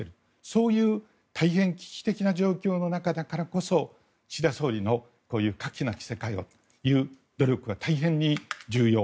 そういう大変危機的な状況の中だからこそ岸田総理のこういう核なき世界をという努力が大変に重要。